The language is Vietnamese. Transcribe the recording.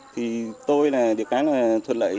thì tôi là địa bàn thuận lợi